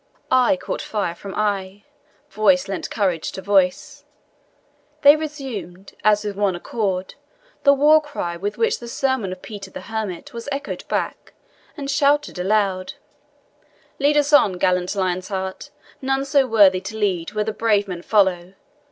Eye caught fire from eye, voice lent courage to voice. They resumed, as with one accord, the war cry with which the sermon of Peter the Hermit was echoed back, and shouted aloud, "Lead us on, gallant Lion's heart; none so worthy to lead where brave men follow.